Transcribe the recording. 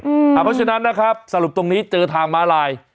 เพราะฉะนั้นนะครับสรุปตรงนี้เจอทางม้าลาย